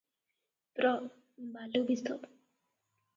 ପ୍ର - ବାଲୁବିଶ ।